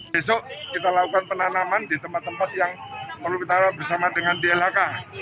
besok kita lakukan penanaman di tempat tempat yang perlu kita bersama dengan dlhk